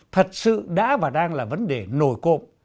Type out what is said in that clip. thật sự đã và đang là vấn đề nổi cộng